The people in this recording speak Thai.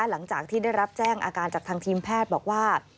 หลังจากที่ได้รับแจ้งอาการจากทางทีมแพทย์บอกว่า